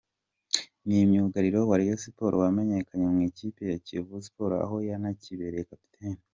Ni myugariro wa Rayon Sports wamenyekaniye mu ikipe ya Kiyovu Sports aho yanayibereye kapiteni.